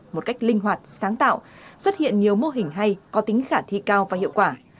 một cách linh hoạt sáng tạo xuất hiện nhiều mô hình hay có tính khả thi cao và hiệu quả